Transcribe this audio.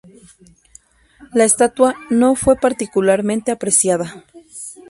La estatua no fue particularmente apreciada.